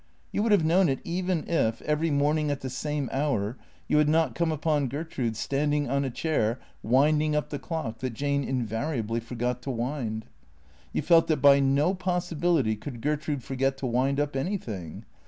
You would have known it even if, every morning at the same hour, you had not come upon Gertrude standing on a chair winding up the clock that Jane invariably forgot to wind. You felt that by no possibility could Gertrude forget to wind up anything.